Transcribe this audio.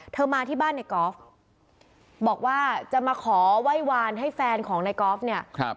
มาที่บ้านในกอล์ฟบอกว่าจะมาขอไหว้วานให้แฟนของในกอล์ฟเนี่ย